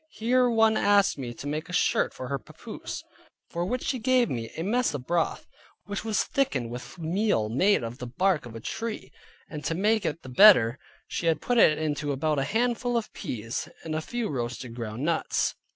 Here one asked me to make a shirt for her papoose, for which she gave me a mess of broth, which was thickened with meal made of the bark of a tree, and to make it the better, she had put into it about a handful of peas, and a few roasted ground nuts.